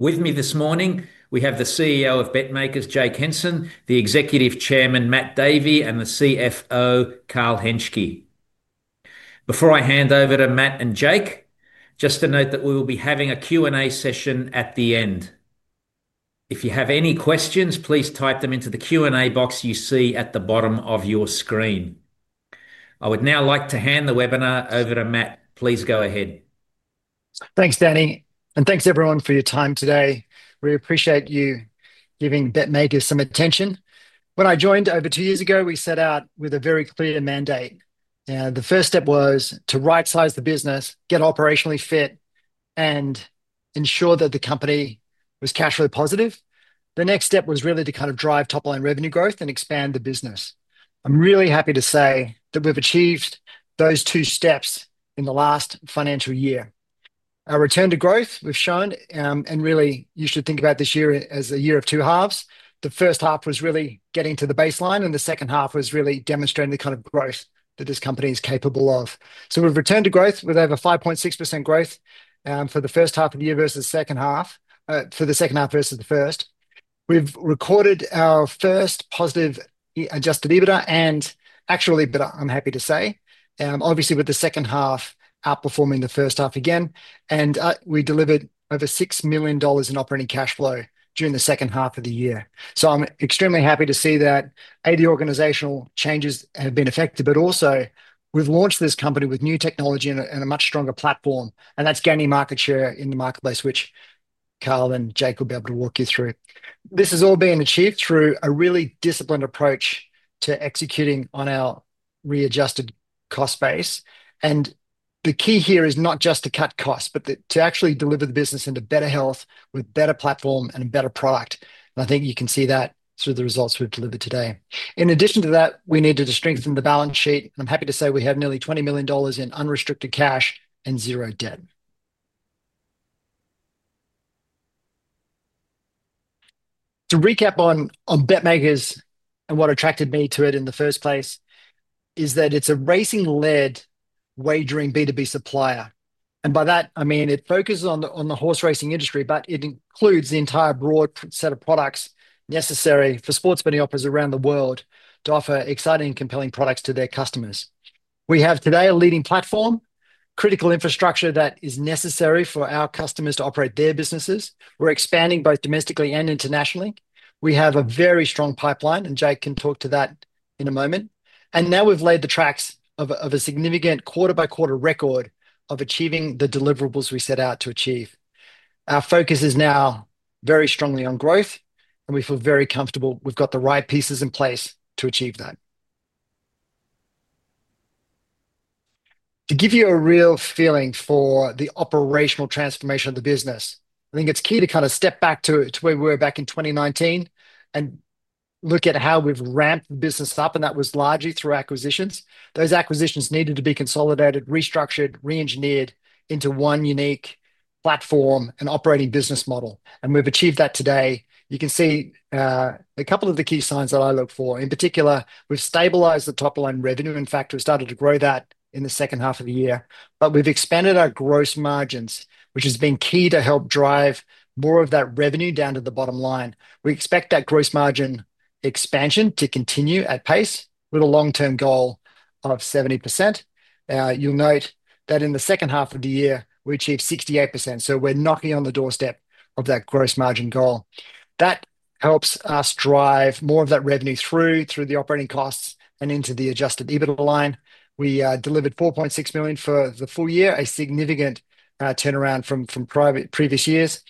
With me this morning, we have the CEO of BetMakers, Jake Henson, the Executive Chairman, Matt Davey, and the CFO, Carl Henschke. Before I hand over to Matt and Jake, just a note that we will be having a Q&A session at the end. If you have any questions, please type them into the Q&A box you see at the bottom of your screen. I would now like to hand the webinar over to Matt. Please go ahead. Thanks, Danny, and thanks everyone for your time today. We appreciate you giving BetMakers some attention. When I joined over two years ago, we set out with a very clear mandate. The first step was to right-size the business, get it operationally fit, and ensure that the company was cash flow positive. The next step was really to kind of drive top-line revenue growth and expand the business. I'm really happy to say that we've achieved those two steps in the last financial year. Our return to growth, we've shown, and really you should think about this year as a year of two halves. The first half was really getting to the baseline, and the second half was really demonstrating the kind of growth that this company is capable of. We've returned to growth with over 5.6% growth for the second half versus the first. We've recorded our first positive adjusted EBITDA and actual EBITDA, I'm happy to say. Obviously, with the second half outperforming the first half again, and we delivered over 6 million dollars in operating cash flow during the second half of the year. I'm extremely happy to see that 80 organizational changes have been effected, but also we've launched this company with new technology and a much stronger platform, and that's gaining market share in the marketplace, which Carl and Jake will be able to walk you through. This has all been achieved through a really disciplined approach to executing on our readjusted cost base. The key here is not just to cut costs, but to actually deliver the business into better health with better platform and a better product. I think you can see that through the results we've delivered today. In addition to that, we needed to strengthen the balance sheet, and I'm happy to say we have nearly 20 million dollars in unrestricted cash and zero debt. To recap on BetMakers and what attracted me to it in the first place is that it's a racing-led wagering B2B supplier. By that, I mean it focuses on the horse racing industry, but it includes the entire broad set of products necessary for sports betting offers around the world to offer exciting and compelling products to their customers. We have today a leading platform, critical infrastructure that is necessary for our customers to operate their businesses. We're expanding both domestically and internationally. We have a very strong pipeline, and Jake can talk to that in a moment. Now we've laid the tracks of a significant quarter-by-quarter record of achieving the deliverables we set out to achieve. Our focus is now very strongly on growth, and we feel very comfortable we've got the right pieces in place to achieve that. To give you a real feeling for the operational transformation of the business, I think it's key to kind of step back to where we were back in 2019 and look at how we've ramped the business up, and that was largely through acquisitions. Those acquisitions needed to be consolidated, restructured, re-engineered into one unique platform and operating business model. We've achieved that today. You can see a couple of the key signs that I look for. In particular, we've stabilized the top-line revenue. In fact, we started to grow that in the second half of the year. We've expanded our gross margins, which has been key to help drive more of that revenue down to the bottom line. We expect that gross margin expansion to continue at pace with a long-term goal of 70%. You'll note that in the second half of the year, we achieved 68%. We're knocking on the doorstep of that gross margin goal. That helps us drive more of that revenue through the operating costs and into the adjusted EBITDA line. We delivered 4.6 million for the full year, a significant turnaround from previous years.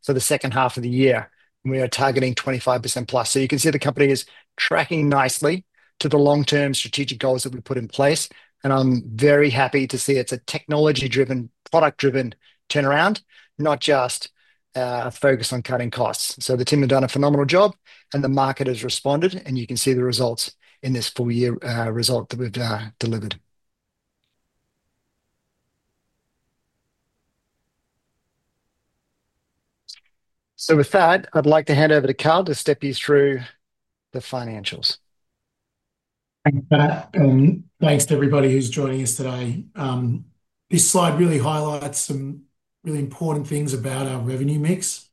We have a margin of 13.5% for the second half of the year. We are targeting 25%+. You can see the company is tracking nicely to the long-term strategic goals that we put in place. I'm very happy to see it's a technology-driven, product-driven turnaround, not just a focus on cutting costs. The team has done a phenomenal job, and the market has responded. You can see the results in this full-year result that we've delivered. With that, I'd like to hand over to Carl to step you through the financials. Thanks to everybody who's joining us today. This slide really highlights some really important things about our revenue mix.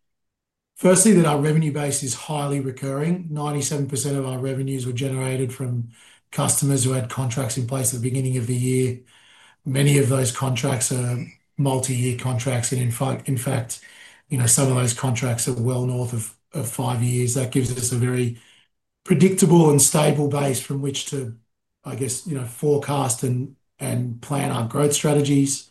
Firstly, that our revenue base is highly recurring. 97% of our revenues were generated from customers who had contracts in place at the beginning of the year. Many of those contracts are multi-year contracts. In fact, some of those contracts are well north of five years. That gives us a very predictable and stable base from which to forecast and plan our growth strategies.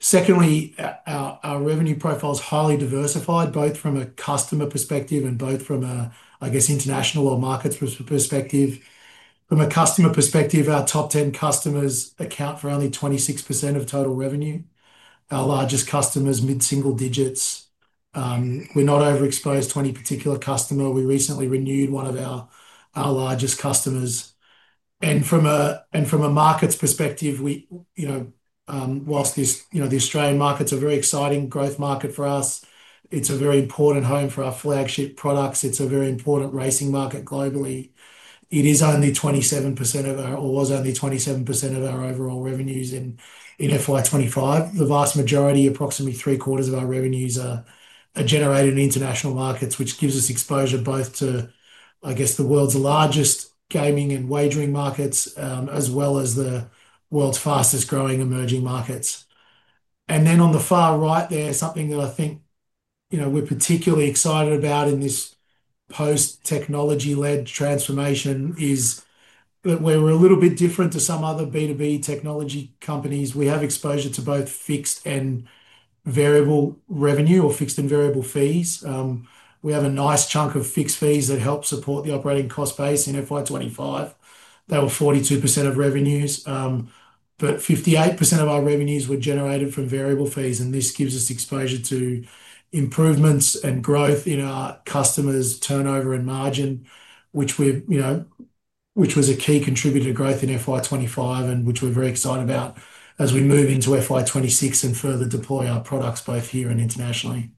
Secondly, our revenue profile is highly diversified, both from a customer perspective and from an international or markets perspective. From a customer perspective, our top 10 customers account for only 26% of total revenue. Our largest customers are mid-single digits. We're not overexposed to any particular customer. We recently renewed one of our largest customers. From a markets perspective, whilst the Australian markets are a very exciting growth market for us, it's a very important home for our flagship products. It's a very important racing market globally. It was only 27% of our overall revenues in FY 2025. The vast majority, approximately 3/4 of our revenues, are generated in international markets, which gives us exposure to the world's largest gaming and wagering markets, as well as the world's fastest growing emerging markets. On the far right there, something that I think we're particularly excited about in this post-technology-led transformation is that where we're a little bit different to some other B2B technology companies, we have exposure to both fixed and variable revenue or fixed and variable fees. We have a nice chunk of fixed fees that help support the operating cost base in FY 2025. That was 42% of revenues. 58% of our revenues were generated from variable fees. This gives us exposure to improvements and growth in our customers' turnover and margin, which was a key contributor to growth in FY 2025, and which we're very excited about as we move into FY 2026 and further deploy our products both here and internationally.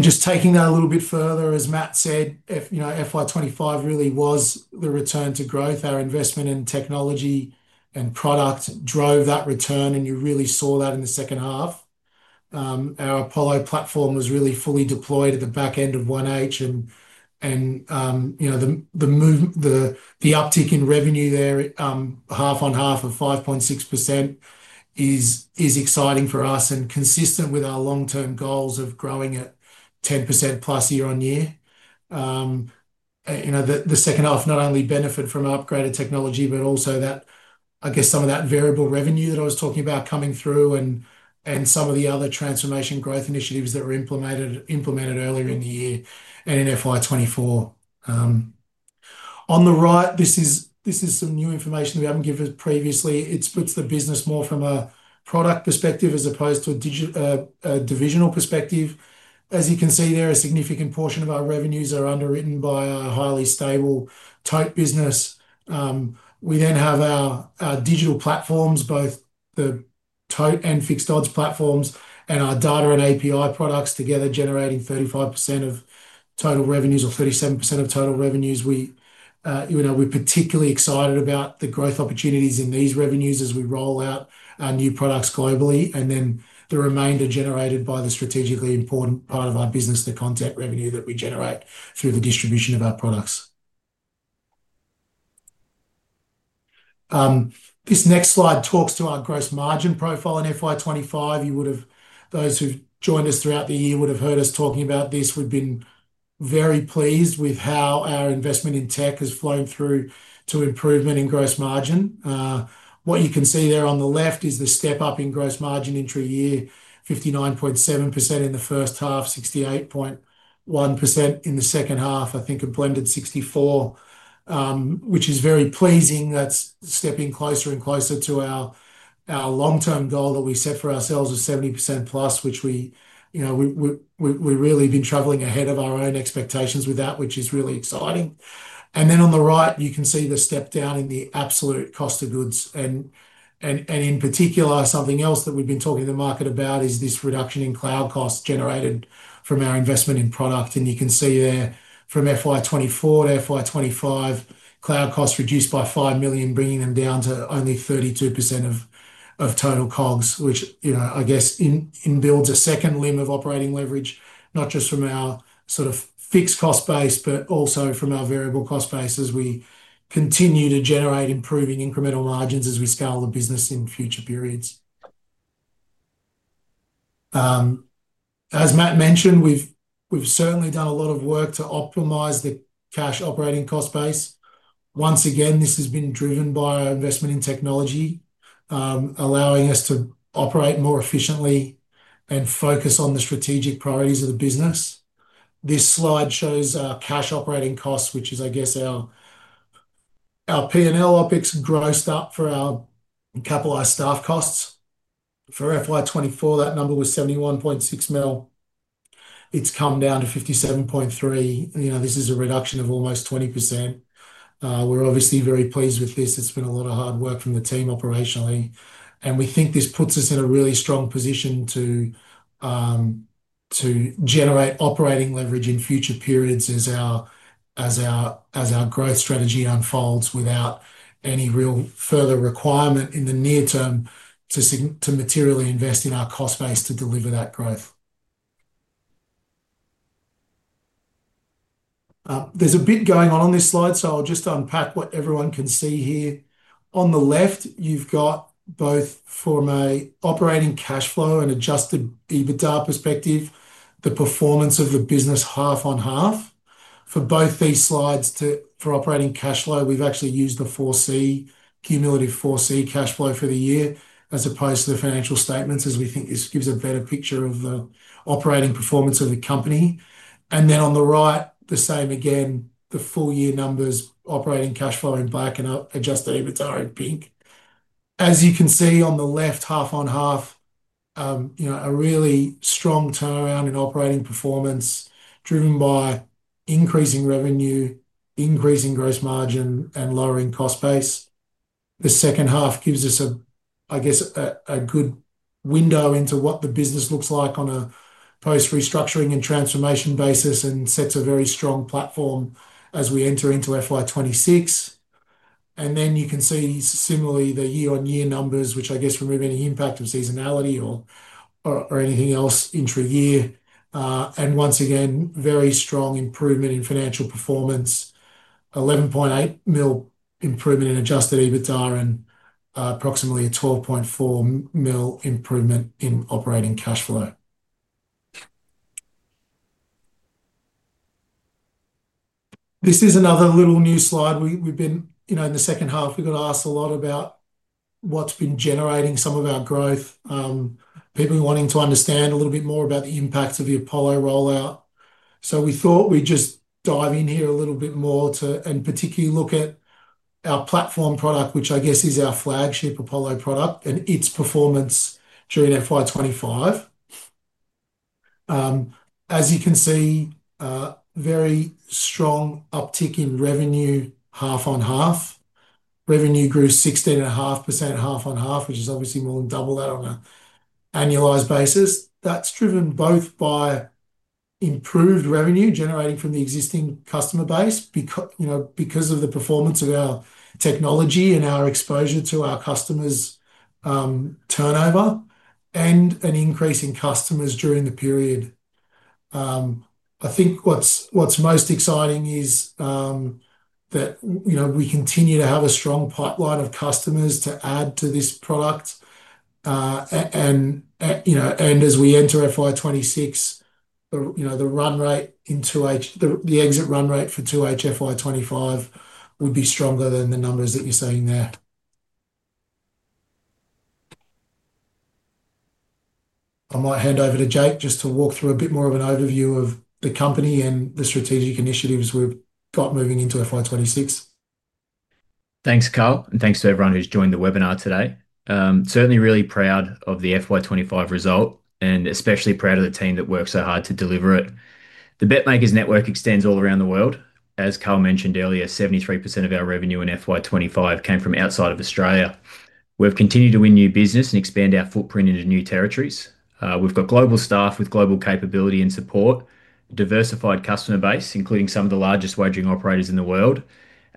Just taking that a little bit further, as Matt said, FY 2025 really was the return to growth. Our investment in technology and product drove that return, and you really saw that in the second half. Our Apollo platform was really fully deployed at the back end of 1H. The uptick in revenue there, half on half of 5.6%, is exciting for us and consistent with our long-term goals of growing at 10%+ year-on-year. The second half not only benefited from our upgraded technology, but also some of that variable revenue that I was talking about coming through and some of the other transformation growth initiatives that were implemented earlier in the year and in FY 2024. On the right, this is some new information we haven't given previously. It puts the business more from a product perspective as opposed to a divisional perspective. As you can see there, a significant portion of our revenues are underwritten by a highly stable tote business. We then have our digital platforms, both the tote and fixed odds platforms, and our data and API products together generating 35% of total revenues or 37% of total revenues. We're particularly excited about the growth opportunities in these revenues as we roll out our new products globally, and then the remainder generated by the strategically important part of our business, the content revenue that we generate through the distribution of our products. This next slide talks to our gross margin profile in FY 2025. Those who've joined us throughout the year would have heard us talking about this. We've been very pleased with how our investment in tech has flown through to improvement in gross margin. What you can see there on the left is the step up in gross margin entry year, 59.7% in the first half, 68.1% in the second half. I think a blended 64%, which is very pleasing. That's stepping closer and closer to our long-term goal that we set for ourselves of 70%+, which we've really been traveling ahead of our own expectations with that, which is really exciting. On the right, you can see the step down in the absolute cost of goods. In particular, something else that we've been talking to the market about is this reduction in cloud costs generated from our investment in product. You can see there from FY 2024 to FY 2025, cloud costs reduced by 5 million, bringing them down to only 32% of total COGS, which inbuilds a second limb of operating leverage, not just from our sort of fixed cost base, but also from our variable cost base as we continue to generate improving incremental margins as we scale the business in future periods. As Matt mentioned, we've certainly done a lot of work to optimize the cash operating cost base. Once again, this has been driven by our investment in technology, allowing us to operate more efficiently and focus on the strategic priorities of the business. This slide shows our cash operating costs, which is, I guess, our P&L OpEx grossed up for our capitalized staff costs. For FY 2024, that number was 71.6 million. It's come down to 57.3 million. This is a reduction of almost 20%. We're obviously very pleased with this. It's been a lot of hard work from the team operationally. We think this puts us in a really strong position to generate operating leverage in future periods as our growth strategy unfolds without any real further requirement in the near term to materially invest in our cost base to deliver that growth. There's a bit going on on this slide, so I'll just unpack what everyone can see here. On the left, you've got both from an operating cash flow and adjusted EBITDA perspective, the performance of the business half-on-half. For both these slides, for operating cash flow, we've actually used the 4C, cumulative 4C cash flow for the year, as opposed to the financial statements, as we think this gives a better picture of the operating performance of the company. On the right, the same again, the full year numbers, operating cash flow in black and adjusted EBITDA in pink. As you can see on the left, half-on-half, a really strong turnaround in operating performance driven by increasing revenue, increasing gross margin, and lowering cost base. The second half gives us, I guess, a good window into what the business looks like on a post-restructuring and transformation basis and sets a very strong platform as we enter into FY 2026. You can see similarly the year-on-year numbers, which I guess remove any impact of seasonality or anything else entry year. Once again, very strong improvement in financial performance, 11.8 million improvement in adjusted EBITDA and approximately 12.4 million improvement in operating cash flow. This is another little new slide. In the second half, we got asked a lot about what's been generating some of our growth, people wanting to understand a little bit more about the impacts of the Apollo rollout. We thought we'd just dive in here a little bit more to and particularly look at our platform product, which I guess is our flagship Apollo product and its performance during FY 2025. As you can see, a very strong uptick in revenue half on half. Revenue grew 16.5% half-on-half, which is obviously more than double that on an annualized basis. That's driven both by improved revenue generating from the existing customer base, you know, because of the performance of our technology and our exposure to our customers' turnover and an increase in customers during the period. I think what's most exciting is that, you know, we continue to have a strong pipeline of customers to add to this product. As we enter FY 2026, you know, the run rate in 2H, the exit run rate for 2H FY 2025 would be stronger than the numbers that you're seeing there. I might hand over to Jake just to walk through a bit more of an overview of the company and the strategic initiatives we've got moving into FY 2026. Thanks, Carl. Thanks to everyone who's joined the webinar today. Certainly really proud of the FY 2025 result and especially proud of the team that worked so hard to deliver it. The BetMakers Network extends all around the world. As Carl mentioned earlier, 73% of our revenue in FY 2025 came from outside of Australia. We've continued to win new business and expand our footprint into new territories. We've got global staff with global capability and support, a diversified customer base, including some of the largest wagering operators in the world.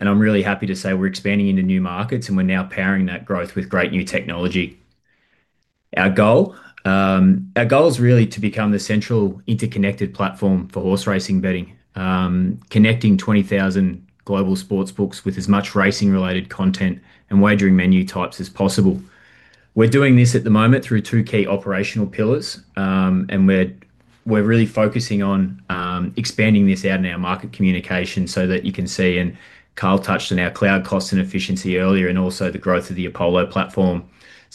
I'm really happy to say we're expanding into new markets and we're now powering that growth with great new technology. Our goal is really to become the central interconnected platform for horse racing betting, connecting 20,000 global sportsbooks with as much racing-related content and wagering menu types as possible. We're doing this at the moment through two key operational pillars, and we're really focusing on expanding this out in our market communication so that you can see, and Carl touched on our cloud costs and efficiency earlier, and also the growth of the Apollo platform.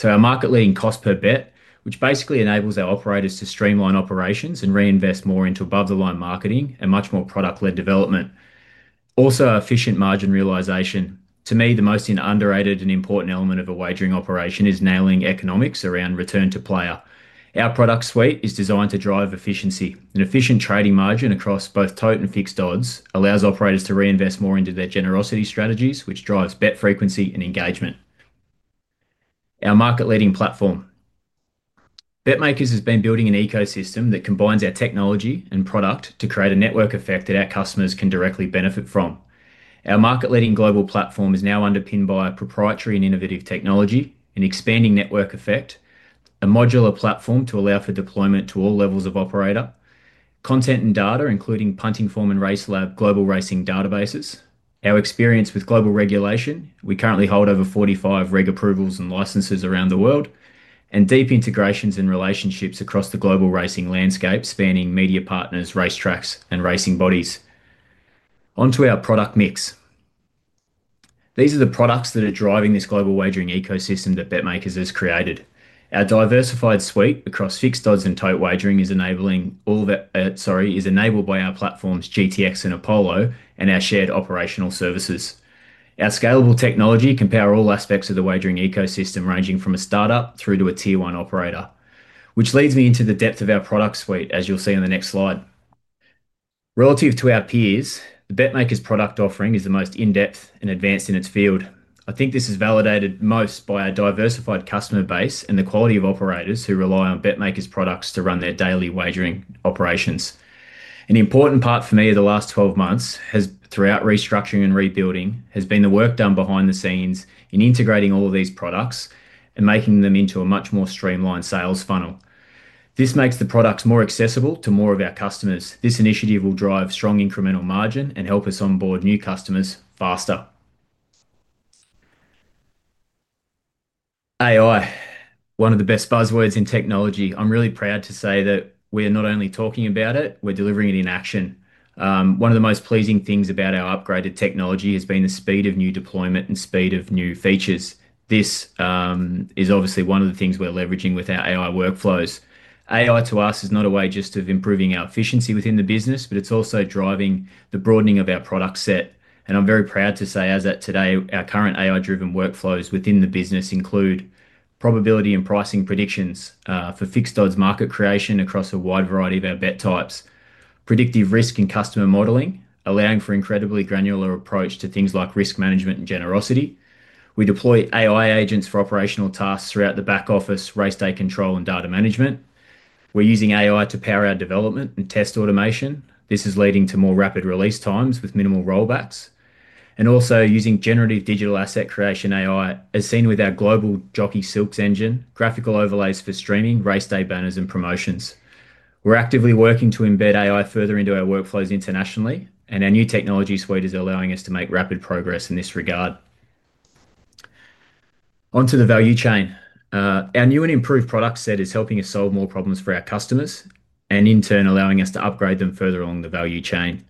Our market-leading cost per bet basically enables our operators to streamline operations and reinvest more into above-the-line marketing and much more product-led development. Also, our efficient margin realization. To me, the most underrated and important element of a wagering operation is nailing economics around return to player. Our product suite is designed to drive efficiency. An efficient trading margin across both tote and fixed odds allows operators to reinvest more into their generosity strategies, which drives bet frequency and engagement. Our market-leading platform. BetMakers has been building an ecosystem that combines our technology and product to create a network effect that our customers can directly benefit from. Our market-leading global platform is now underpinned by our proprietary and innovative technology and expanding network effect, a modular platform to allow for deployment to all levels of operator. Content and data, including Punting Form and RaceLab global racing databases. Our experience with global regulation, we currently hold over 45 reg approvals and licenses around the world, and deep integrations and relationships across the global racing landscape, spanning media partners, racetracks, and racing bodies. Onto our product mix. These are the products that are driving this global wagering ecosystem that BetMakers has created. Our diversified suite across fixed odds and tote wagering is enabled by our platforms GTX and Apollo and our shared operational services. Our scalable technology can power all aspects of the wagering ecosystem, ranging from a startup through to a Tier 1 operator, which leads me into the depth of our product suite, as you'll see in the next slide. Relative to our peers, the BetMakers product offering is the most in-depth and advanced in its field. I think this is validated most by our diversified customer base and the quality of operators who rely on BetMakers products to run their daily wagering operations. An important part for me of the last 12 months has, throughout restructuring and rebuilding, been the work done behind the scenes in integrating all of these products and making them into a much more streamlined sales funnel. This makes the products more accessible to more of our customers. This initiative will drive strong incremental margin and help us onboard new customers faster. AI, one of the best buzzwords in technology. I'm really proud to say that we're not only talking about it, we're delivering it in action. One of the most pleasing things about our upgraded technology has been the speed of new deployment and speed of new features. This is obviously one of the things we're leveraging with our AI workflows. AI to us is not a way just of improving our efficiency within the business, but it's also driving the broadening of our product set. I'm very proud to say, as at today, our current AI-driven workflows within the business include probability and pricing predictions for fixed odds market creation across a wide variety of our bet types, predictive risk and customer modeling, allowing for an incredibly granular approach to things like risk management and generosity. We deploy AI agents for operational tasks throughout the back office, race day control, and data management. We're using AI to power our development and test automation. This is leading to more rapid release times with minimal rollbacks. We're also using generative digital asset creation AI, as seen with our global Jockey Silks engine, graphical overlays for streaming, race day banners, and promotions. We're actively working to embed AI further into our workflows internationally, and our new technology suite is allowing us to make rapid progress in this regard. Onto the value chain. Our new and improved product set is helping us solve more problems for our customers and in turn allowing us to upgrade them further along the value chain,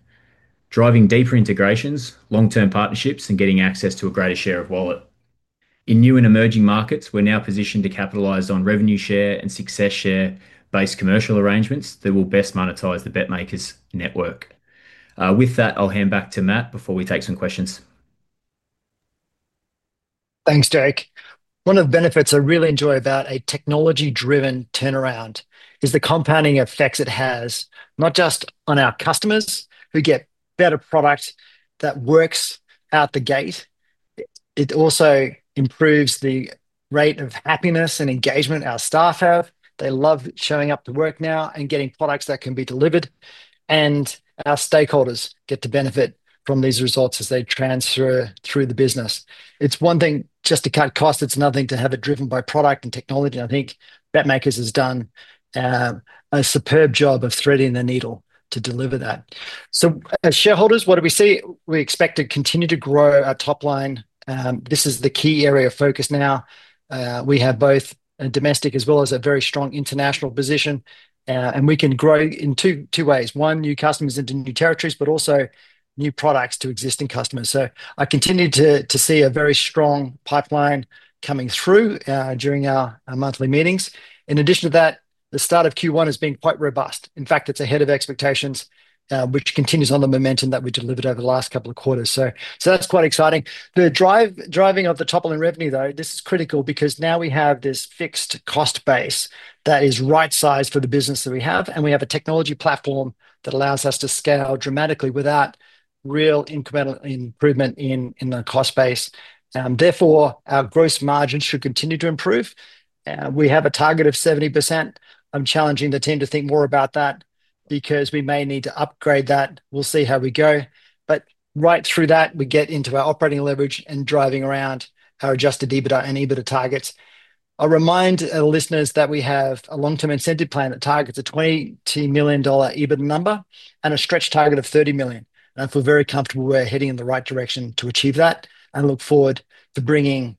driving deeper integrations, long-term partnerships, and getting access to a greater share of wallet. In new and emerging markets, we're now positioned to capitalize on revenue share and success share-based commercial arrangements that will best monetize the BetMakers network. With that, I'll hand back to Matt before we take some questions. Thanks, Jake. One of the benefits I really enjoy about a technology-driven turnaround is the compounding effects it has, not just on our customers who get better products that work out the gate. It also improves the rate of happiness and engagement our staff have. They love showing up to work now and getting products that can be delivered. Our stakeholders get to benefit from these results as they transfer through the business. It's one thing just to cut costs. It's another thing to have it driven by product and technology. I think BetMakers has done a superb job of threading the needle to deliver that. As shareholders, what do we see? We expect to continue to grow our top line. This is the key area of focus now. We have both a domestic as well as a very strong international position. We can grow in two ways: new customers into new territories, but also new products to existing customers. I continue to see a very strong pipeline coming through during our monthly meetings. In addition to that, the start of Q1 has been quite robust. In fact, it's ahead of expectations, which continues on the momentum that we delivered over the last couple of quarters. That's quite exciting. The driving of the top line revenue, though, this is critical because now we have this fixed cost base that is right-sized for the business that we have. We have a technology platform that allows us to scale dramatically without real incremental improvement in the cost base. Therefore, our gross margin should continue to improve. We have a target of 70%. I'm challenging the team to think more about that because we may need to upgrade that. We'll see how we go. Right through that, we get into our operating leverage and driving around our adjusted EBITDA and EBITDA targets. I'll remind listeners that we have a long-term incentive plan that targets a 20 million dollar EBITDA number and a stretch target of 30 million. I feel very comfortable we're heading in the right direction to achieve that. I look forward to bringing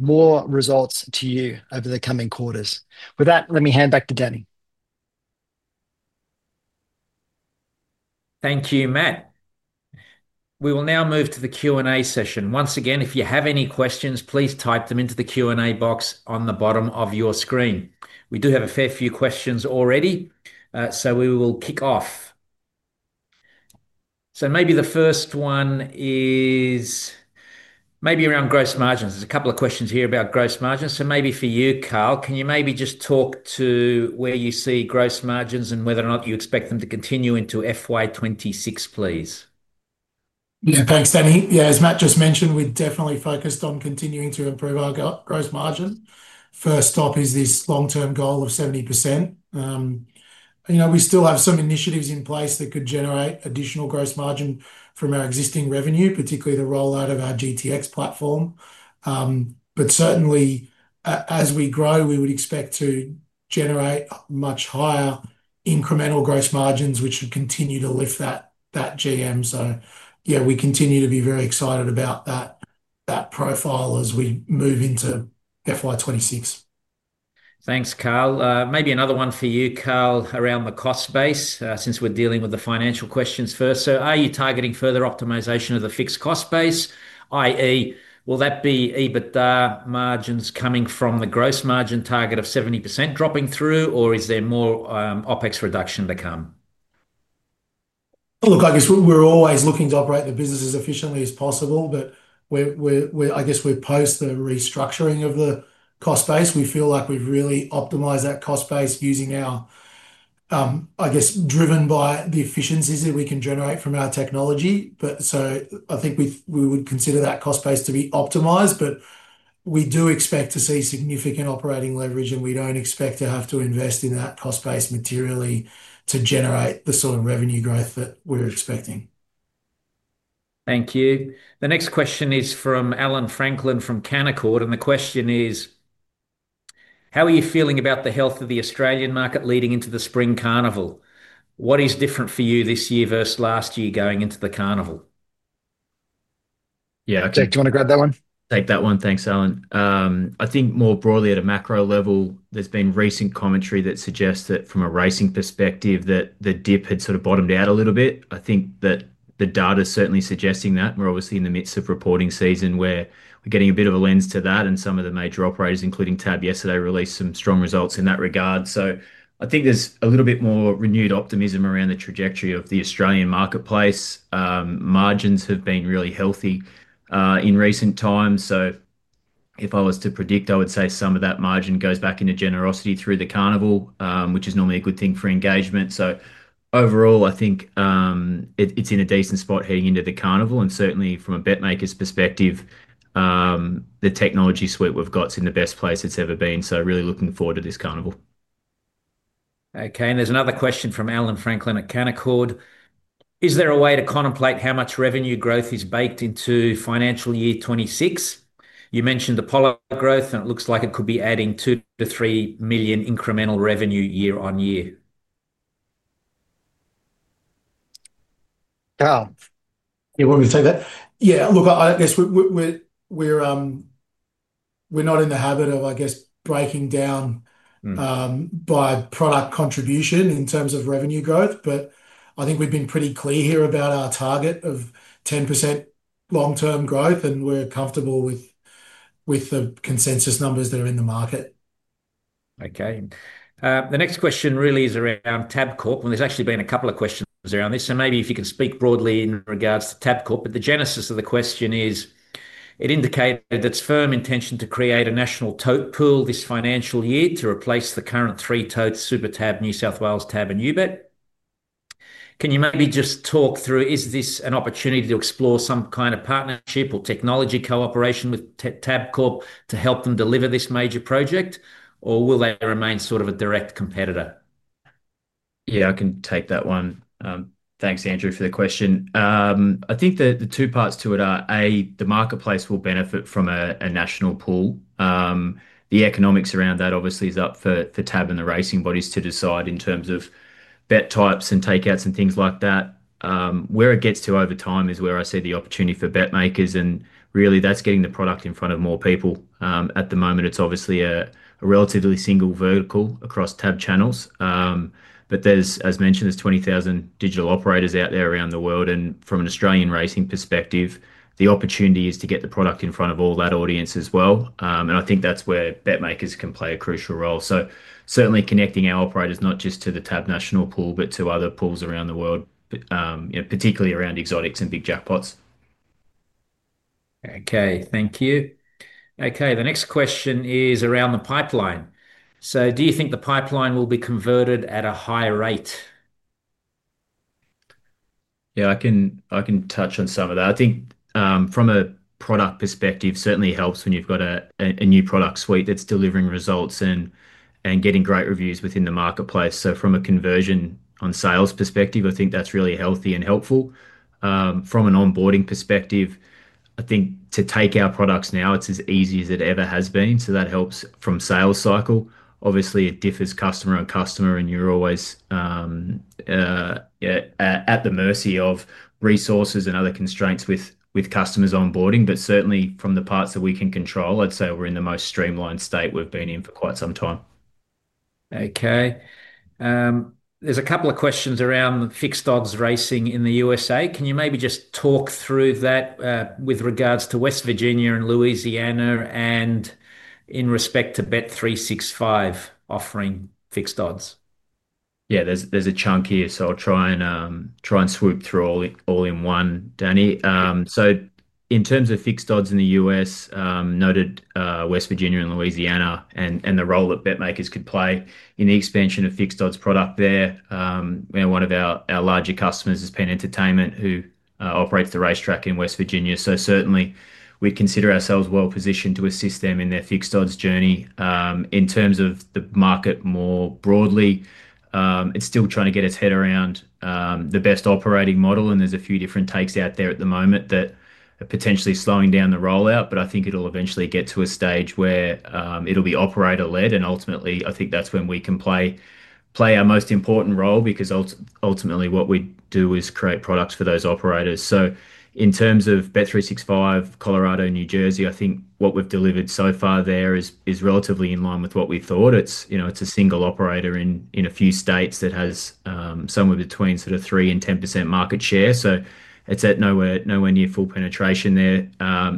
more results to you over the coming quarters. With that, let me hand back to Danny. Thank you, Matt. We will now move to the Q&A session. Once again, if you have any questions, please type them into the Q&A box on the bottom of your screen. We do have a fair few questions already. We will kick off. The first one is maybe around gross margins. There's a couple of questions here about gross margins. For you, Carl, can you talk to where you see gross margins and whether or not you expect them to continue into FY 2026, please? Yeah, thanks, Danny. Yeah, as Matt just mentioned, we're definitely focused on continuing to improve our gross margin. First up is this long-term goal of 70%. You know, we still have some initiatives in place that could generate additional gross margin from our existing revenue, particularly the rollout of our GTX platform. Certainly, as we grow, we would expect to generate much higher incremental gross margins, which would continue to lift that GM. Yeah, we continue to be very excited about that profile as we move into FY 2026. Thanks, Carl. Maybe another one for you, Carl, around the cost base, since we're dealing with the financial questions first. Are you targeting further optimization of the fixed cost base, i.e., will that be EBITDA margins coming from the gross margin target of 70% dropping through, or is there more OpEx reduction to come? Look, I guess we're always looking to operate the business as efficiently as possible. We're post the restructuring of the cost base. We feel like we've really optimized that cost base using our, I guess, driven by the efficiencies that we can generate from our technology. I think we would consider that cost base to be optimized, and we do expect to see significant operating leverage. We don't expect to have to invest in that cost base materially to generate the sort of revenue growth that we're expecting. Thank you. The next question is from Allan Franklin from Canaccord, and the question is, how are you feeling about the health of the Australian market leading into the Australian spring carnival? What is different for you this year versus last year going into the carnival? Yeah, Jake, do you want to grab that one? Take that one. Thanks, Allan. I think more broadly at a macro level, there's been recent commentary that suggests that from a racing perspective, the dip had sort of bottomed out a little bit. I think that the data is certainly suggesting that. We're obviously in the midst of reporting season where we're getting a bit of a lens to that, and some of the major operators, including TAB, yesterday released some strong results in that regard. I think there's a little bit more renewed optimism around the trajectory of the Australian marketplace. Margins have been really healthy in recent times. If I was to predict, I would say some of that margin goes back into generosity through the carnival, which is normally a good thing for engagement. Overall, I think it's in a decent spot heading into the carnival, and certainly from a BetMakers's perspective, the technology suite we've got is in the best place it's ever been. Really looking forward to this carnival. Okay. There's another question from Allan Franklin at Canaccord. Is there a way to contemplate how much revenue growth is baked into financial year 2026? You mentioned Apollo growth, and it looks like it could be adding 2 million-3 million incremental revenue year-on-year. You want me to take that? Yeah, look, I guess we're not in the habit of breaking down by product contribution in terms of revenue growth, but I think we've been pretty clear here about our target of 10% long-term growth, and we're comfortable with the consensus numbers that are in the market. Okay. The next question really is around Tabcorp, and there's actually been a couple of questions around this. Maybe if you can speak broadly in regards to Tabcorp, but the genesis of the question is, it indicated its firm intention to create a national tote pool this financial year to replace the current three totes, SuperTAB, New South Wales TAB, and UBET. Can you maybe just talk through, is this an opportunity to explore some kind of partnership or technology cooperation with Tabcorp to help them deliver this major project, or will they remain sort of a direct competitor? Yeah, I can take that one. Thanks, Andrew, for the question. I think the two parts to it are: A, the marketplace will benefit from a national pool. The economics around that obviously is up for Tabcorp and the racing bodies to decide in terms of bet types and takeouts and things like that. Where it gets to over time is where I see the opportunity for BetMakers, and really that's getting the product in front of more people. At the moment, it's obviously a relatively single vertical across TAB channels, but there's, as mentioned, there's 20,000 digital operators out there around the world, and from an Australian racing perspective, the opportunity is to get the product in front of all that audience as well. I think that's where BetMakers can play a crucial role. Certainly connecting our operators not just to the TAB national pool, but to other pools around the world, particularly around exotics and big jackpots. Okay, thank you. The next question is around the pipeline. Do you think the pipeline will be converted at a high rate? Yeah, I can touch on some of that. I think from a product perspective, it certainly helps when you've got a new product suite that's delivering results and getting great reviews within the marketplace. From a conversion on sales perspective, I think that's really healthy and helpful. From an onboarding perspective, to take our products now, it's as easy as it ever has been. That helps from sales cycle. Obviously, it differs customer to customer, and you're always at the mercy of resources and other constraints with customers onboarding. Certainly from the parts that we can control, I'd say we're in the most streamlined state we've been in for quite some time. Okay. There's a couple of questions around the fixed odds racing in the U.S.A. Can you maybe just talk through that with regards to West Virginia and Louisiana and in respect to Bet365 offering fixed odds? There's a chunk here, so I'll try and swoop through all in one, Danny. In terms of fixed odds in the U.S., noted West Virginia and Louisiana and the role that BetMakers could play in the expansion of fixed odds product there. One of our larger customers is Penn Entertainment, who operates the racetrack in West Virginia. We consider ourselves well positioned to assist them in their fixed odds journey. In terms of the market more broadly, it's still trying to get its head around the best operating model, and there's a few different takes out there at the moment that are potentially slowing down the rollout. I think it'll eventually get to a stage where it'll be operator-led, and ultimately I think that's when we can play our most important role because ultimately what we do is create products for those operators. In terms of Bet365, Colorado, New Jersey, I think what we've delivered so far there is relatively in line with what we thought. It's a single operator in a few states that has somewhere between 3% and 10% market share. It's at nowhere near full penetration there.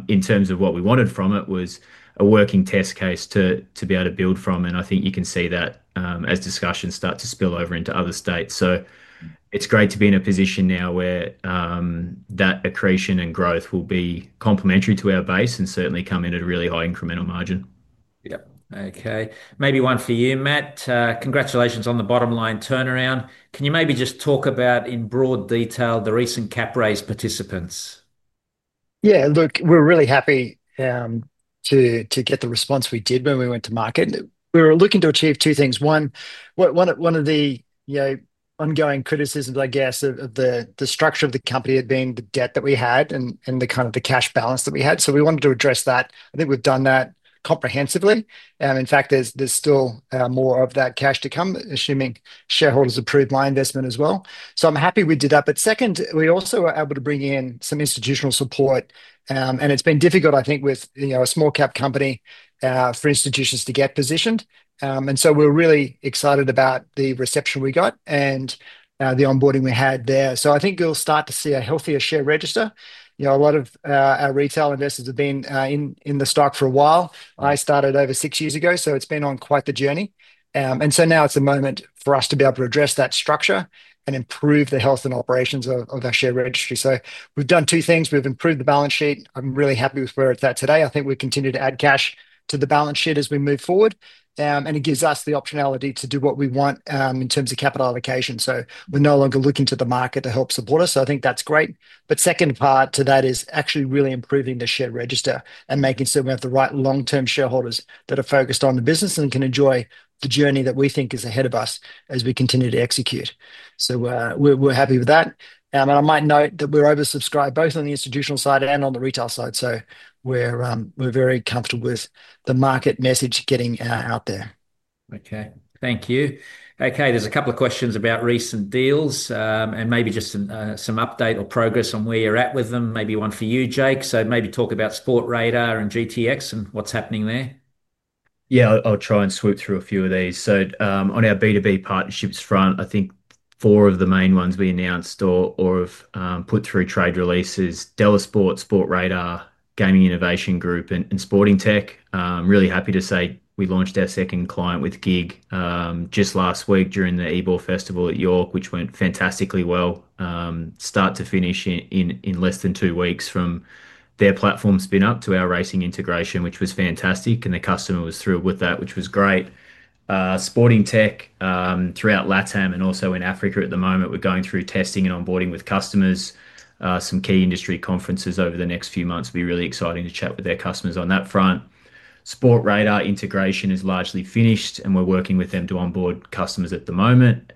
In terms of what we wanted from it, it was a working test case to be able to build from, and I think you can see that as discussions start to spill over into other states. It's great to be in a position now where that accretion and growth will be complementary to our base and certainly come in at a really high incremental margin. Maybe one for you, Matt. Congratulations on the bottom line turnaround. Can you maybe just talk about in broad detail the recent cap raise participants? Yeah, look, we're really happy to get the response we did when we went to market. We were looking to achieve two things. One, one of the ongoing criticisms, I guess, of the structure of the company had been the debt that we had and the kind of the cash balance that we had. We wanted to address that. I think we've done that comprehensively. In fact, there's still more of that cash to come, assuming shareholders approved my investment as well. I'm happy we did that. Second, we also were able to bring in some institutional support, and it's been difficult, I think, with a small cap company for institutions to get positioned. We're really excited about the reception we got and the onboarding we had there. I think you'll start to see a healthier share register. A lot of our retail investors have been in the stock for a while. I started over six years ago, so it's been on quite the journey. Now it's a moment for us to be able to address that structure and improve the health and operations of our share registry. We've done two things. We've improved the balance sheet. I'm really happy with where it's at today. I think we continue to add cash to the balance sheet as we move forward. It gives us the optionality to do what we want in terms of capital allocation. We're no longer looking to the market to help support us. I think that's great. The second part to that is actually really improving the share register and making sure we have the right long-term shareholders that are focused on the business and can enjoy the journey that we think is ahead of us as we continue to execute. We're happy with that. I might note that we're oversubscribed both on the institutional side and on the retail side. We're very comfortable with the market message getting out there. Okay, thank you. There's a couple of questions about recent deals and maybe just some update or progress on where you're at with them. Maybe one for you, Jake. Maybe talk about Sportradar and GTX and what's happening there. I'll try and swoop through a few of these. On our B2B partnerships front, I think four of the main ones we announced or have put through trade release are Delasport, Sportradar, Gaming Innovation Group, and Sportingtech. I'm really happy to say we launched our second client with GiG just last week during the Ebor Festival at York, which went fantastically well, start to finish in less than two weeks from their platform spin-up to our racing integration, which was fantastic, and the customer was thrilled with that, which was great. Sportingtech, throughout LATAM and also in Africa at the moment, we're going through testing and onboarding with customers, some key industry conferences over the next few months. It'll be really exciting to chat with their customers on that front. Sportradar integration is largely finished, and we're working with them to onboard customers at the moment.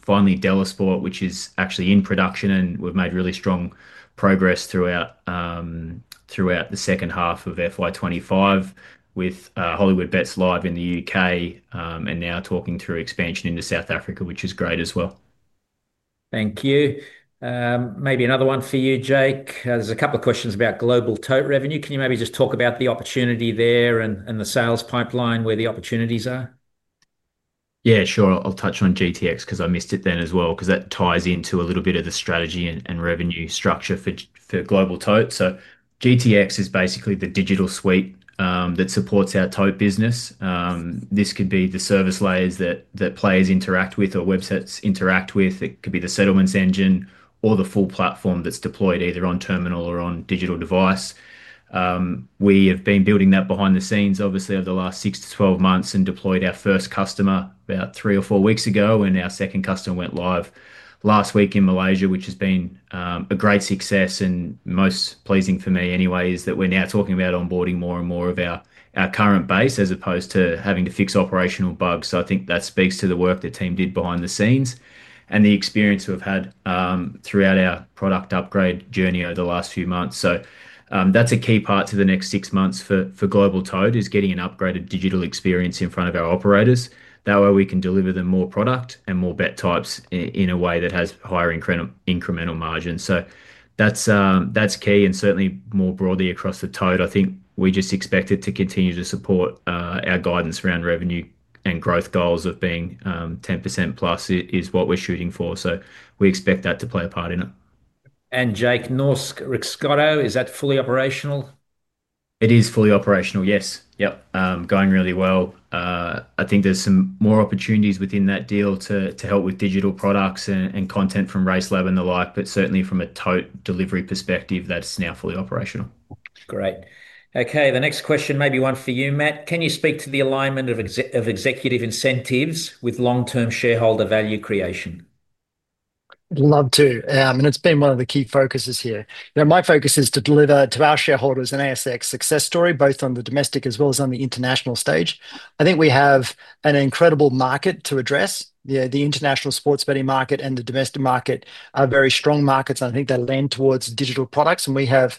Finally, Delasport, which is actually in production, and we've made really strong progress throughout the second half of FY 2025 with Hollywood Bets Live in the UK and now talking through expansion into South Africa, which is great as well. Thank you. Maybe another one for you, Jake. There's a couple of questions about global tote revenue. Can you maybe just talk about the opportunity there and the sales pipeline where the opportunities are? Yeah, sure. I'll touch on GTX because I missed it then as well, because that ties into a little bit of the strategy and revenue structure for global tote. GTX is basically the digital suite that supports our tote business. This could be the service layers that players interact with or websites interact with. It could be the settlements engine or the full platform that's deployed either on terminal or on digital device. We have been building that behind the scenes, obviously, over the last 6-12 months and deployed our first customer about three or four weeks ago, and our second customer went live last week in Malaysia, which has been a great success. Most pleasing for me anyway is that we're now talking about onboarding more and more of our current base as opposed to having to fix operational bugs. I think that speaks to the work the team did behind the scenes and the experience we've had throughout our product upgrade journey over the last few months. That's a key part to the next six months for global tote, getting an upgraded digital experience in front of our operators. That way we can deliver them more product and more bet types in a way that has higher incremental margins. That's key and certainly more broadly across the tote. I think we just expect it to continue to support our guidance around revenue and growth goals of being 10%+ is what we're shooting for. We expect that to play a part in it. Jake, Norsk Rikstoto, is that fully operational? It is fully operational, yes. Yep, going really well. I think there's some more opportunities within that deal to help with digital products and content from RaceLab and the like, but certainly from a tote delivery perspective, that's now fully operational. Great. Okay, the next question, maybe one for you, Matt. Can you speak to the alignment of executive incentives with long-term shareholder value creation? Love to. It's been one of the key focuses here. You know, my focus is to deliver to our shareholders an ASX success story, both on the domestic as well as on the international stage. I think we have an incredible market to address. The international sports betting market and the domestic market are very strong markets, and I think they lend towards digital products. We have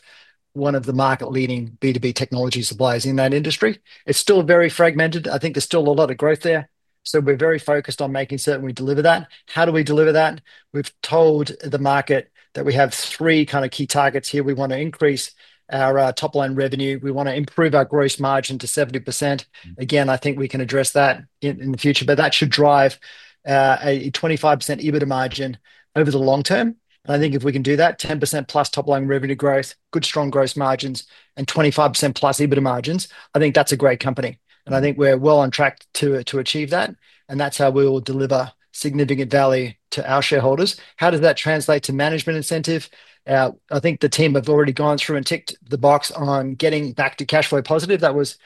one of the market-leading B2B technology suppliers in that industry. It's still very fragmented. I think there's still a lot of growth there. We're very focused on making certain we deliver that. How do we deliver that? We've told the market that we have three kind of key targets here. We want to increase our top line revenue. We want to improve our gross margin to 70%. I think we can address that in the future, but that should drive a 25% EBITDA margin over the long term. I think if we can do that, 10%+ top line revenue growth, good strong gross margins, and 25%+ EBITDA margins, I think that's a great company. I think we're well on track to achieve that. That's how we will deliver significant value to our shareholders. How does that translate to management incentive? I think the team have already gone through and ticked the box on getting back to cash flow positive. That was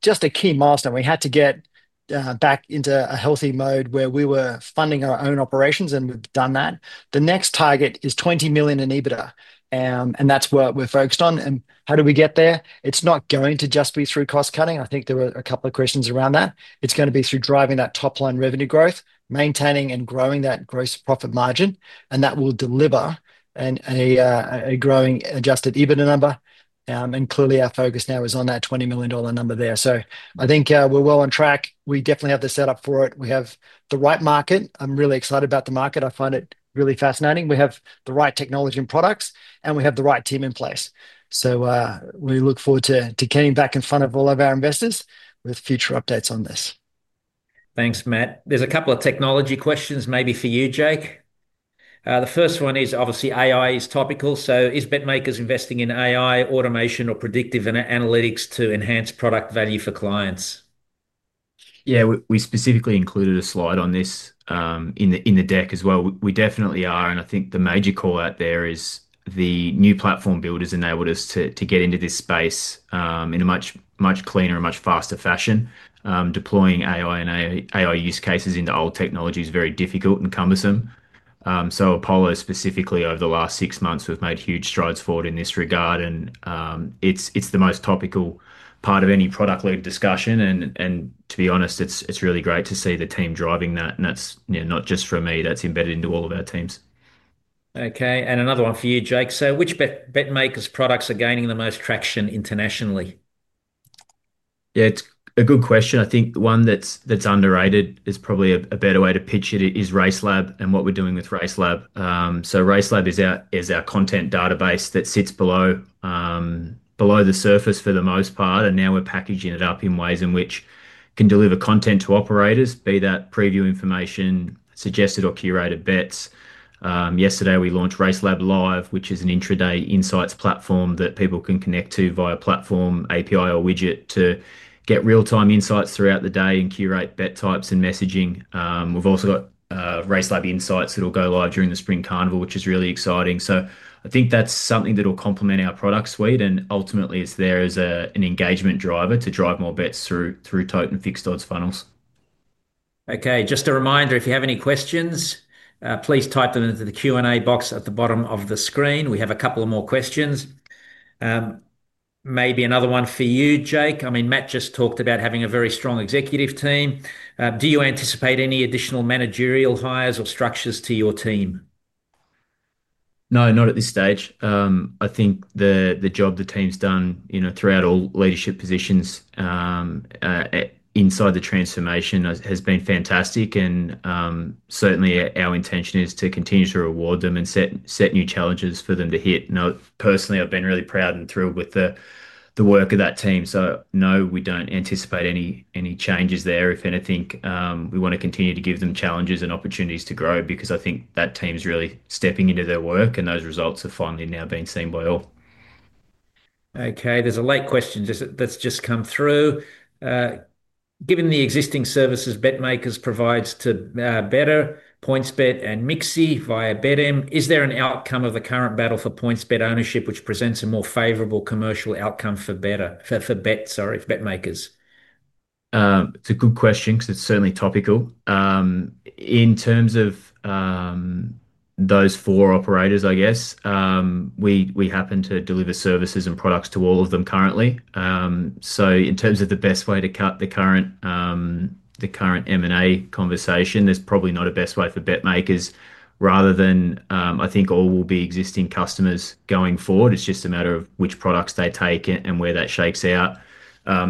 just a key milestone. We had to get back into a healthy mode where we were funding our own operations, and we've done that. The next target is 20 million in EBITDA, and that's what we're focused on. How do we get there? It's not going to just be through cost cutting. I think there are a couple of questions around that. It's going to be through driving that top line revenue growth, maintaining and growing that gross profit margin. That will deliver a growing adjusted EBITDA number. Clearly, our focus now is on that 20 million dollar number there. I think we're well on track. We definitely have the setup for it. We have the right market. I'm really excited about the market. I find it really fascinating. We have the right technology and products, and we have the right team in place. We look forward to getting back in front of all of our investors with future updates on this. Thanks, Matt. There's a couple of technology questions, maybe for you, Jake. The first one is obviously AI is topical. Is BetMakers investing in AI automation or predictive analytics to enhance product value for clients? Yeah, we specifically included a slide on this in the deck as well. We definitely are. I think the major call out there is the new platform build has enabled us to get into this space in a much, much cleaner and much faster fashion. Deploying AI and AI use cases into old technology is very difficult and cumbersome. Apollo specifically over the last six months has made huge strides forward in this regard. It's the most topical part of any product league discussion. To be honest, it's really great to see the team driving that. That's not just for me. That's embedded into all of our teams. Okay. Another one for you, Jake. Which BetMakers products are gaining the most traction internationally? Yeah, it's a good question. I think the one that's underrated is probably a better way to pitch it is RaceLab and what we're doing with RaceLab. RaceLab is our content database that sits below the surface for the most part. Now we're packaging it up in ways in which we can deliver content to operators, be that preview information, suggested or curated bets. Yesterday we launched RaceLab Live, which is an intraday insights platform that people can connect to via platform API or widget to get real-time insights throughout the day and curate bet types and messaging. We've also got RaceLab Insights that will go live during the spring carnival, which is really exciting. I think that's something that will complement our product suite and ultimately is there as an engagement driver to drive more bets through tote and fixed odds funnels. Okay. Just a reminder, if you have any questions, please type them into the Q&A box at the bottom of the screen. We have a couple more questions. Maybe another one for you, Jake. Matt just talked about having a very strong executive team. Do you anticipate any additional managerial hires or structures to your team? No, not at this stage. I think the job the team's done throughout all leadership positions inside the transformation has been fantastic. Certainly our intention is to continue to reward them and set new challenges for them to hit. Personally, I've been really proud and thrilled with the work of that team. No, we don't anticipate any changes there. If anything, we want to continue to give them challenges and opportunities to grow because I think that team's really stepping into their work and those results are finally now being seen by all. There's a late question that's just come through. Given the existing services BetMakers provides to Betr, PointsBet, and MIXI via Betim, is there an outcome of the current battle for PointsBet ownership which presents a more favorable commercial outcome for BetMakers? It's a good question because it's certainly topical. In terms of those four operators, I guess we happen to deliver services and products to all of them currently. In terms of the best way to cut the current M&A conversation, there's probably not a best way for BetMakers. I think all will be existing customers going forward. It's just a matter of which products they take and where that shakes out.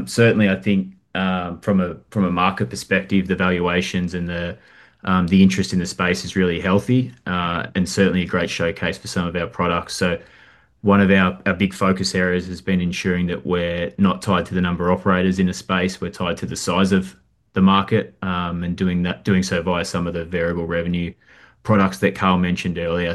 Certainly, I think from a market perspective, the valuations and the interest in the space is really healthy and certainly a great showcase for some of our products. One of our big focus areas has been ensuring that we're not tied to the number of operators in a space. We're tied to the size of the market and doing that, doing so via some of the variable revenue products that Carl mentioned earlier.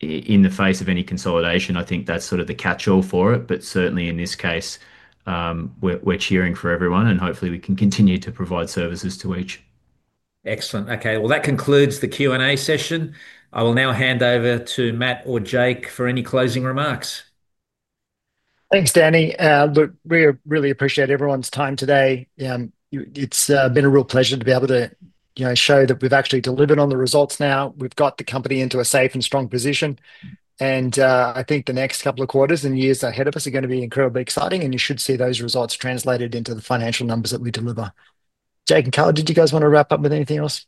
In the face of any consolidation, I think that's sort of the catch-all for it. Certainly in this case, we're cheering for everyone and hopefully we can continue to provide services to each. Excellent. That concludes the Q&A session. I will now hand over to Matt or Jake for any closing remarks. Thanks, Danny. Look, we really appreciate everyone's time today. It's been a real pleasure to be able to show that we've actually delivered on the results now. We've got the company into a safe and strong position. I think the next couple of quarters and years ahead of us are going to be incredibly exciting. You should see those results translated into the financial numbers that we deliver. Jake and Carl, did you guys want to wrap up with anything else?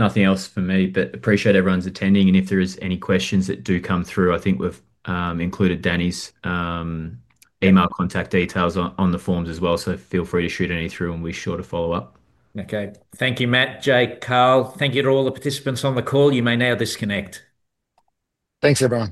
Nothing else for me, but I appreciate everyone's attending. If there are any questions that do come through, I think we've included Danny's email contact details on the forms as well. Feel free to shoot any through and we're sure to follow up. Thank you, Matt, Jake, Carl. Thank you to all the participants on the call. You may now disconnect. Thanks, everyone.